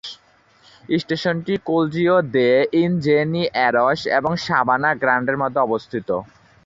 স্টেশনটি Colegio de Ingenieros এবং সাবানা গ্রান্ডের মধ্যে অবস্থিত।